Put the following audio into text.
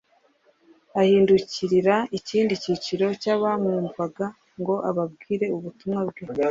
ahindukirira ikindi cyiciro cy'abamwumvaga ngo ababwire ubutumwa bwe,